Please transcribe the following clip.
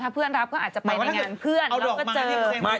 ถ้าเพื่อนรับก็อาจจะไปในงานเพื่อน